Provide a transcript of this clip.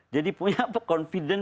jadi punya pekonfiden